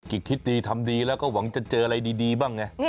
คิดดีทำดีแล้วก็หวังจะเจออะไรดีบ้างไง